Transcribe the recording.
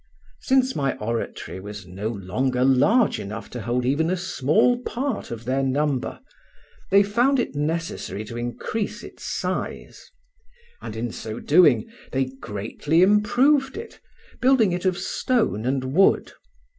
Since my oratory was no longer large enough to hold even a small part of their number, they found it necessary to increase its size, and in so doing they greatly improved it, building it of stone and wood.